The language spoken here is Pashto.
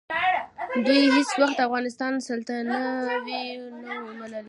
دوی هېڅ وخت د افغانستان سلطه نه وه منلې.